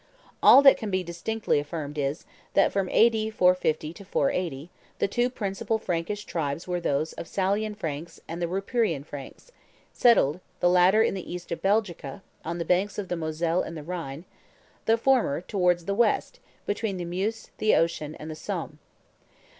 All that can be distinctly affirmed is, that, from A.D. 450 to 480, the two principal Frankish tribes were those of the Salian Franks and the Ripuarian Franks, settled, the latter in the east of Belgica, on the banks of the Moselle and the Rhine; the former, towards the west, between the Meuse, the ocean, and the Somme.